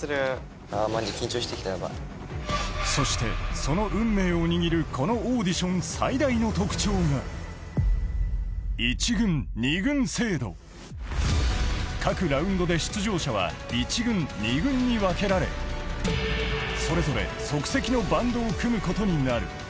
そしてその運命を握るこのオーディション最大の特徴が各ラウンドで出場者は１軍・２軍に分けられ、それぞれ即席のバンドを組むことになる。